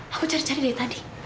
aku cari cari dari tadi